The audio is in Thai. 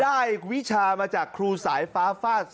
วิชามาจากครูสายฟ้าฟาด